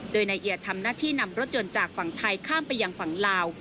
โดยนายเอียดทำหน้าที่นำรถยนต์จากฝั่งไทยข้ามไปยังฝั่งลาว